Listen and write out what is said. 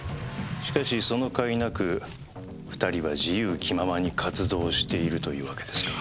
しかしその甲斐なく２人は自由気ままに活動しているというわけですか。